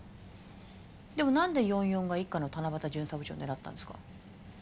でもなんで４４が一課の七夕巡査部長を狙ったんですか？